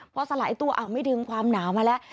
พอสลายตัวอ้าวไม่ดึงความหนาวมาแล้ว